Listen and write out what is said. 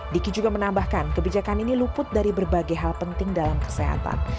diki juga menambahkan kebijakan ini luput dari berbagai hal penting dalam kesehatan